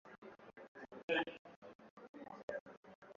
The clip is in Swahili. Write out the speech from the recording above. bwana john mbuuni mwenyekiti wa shirika hili na yeye anatuelezea